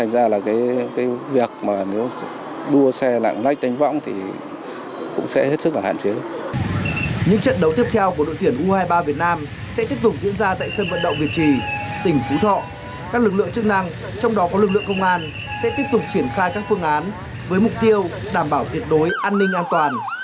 của đội tuyển u hai mươi ba việt nam trong trận đầu ra quần